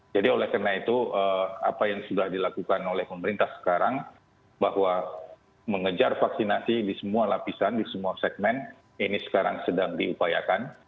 jadi oleh karena itu apa yang sudah dilakukan oleh pemerintah sekarang bahwa mengejar vaksinasi di semua lapisan di semua segmen ini sekarang sedang diupayakan